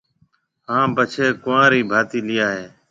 ھان پڇيَ ڪنورِي ڀاتِي ليا ھيََََ